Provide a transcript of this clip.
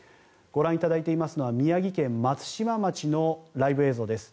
ご覧いただいていますのは宮城県松島町のライブ映像です。